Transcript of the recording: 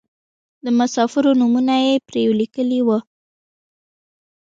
د مسافرو نومونه یې پرې لیکلي وو.